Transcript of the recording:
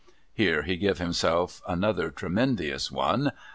' Here he giv himself another tremendious one.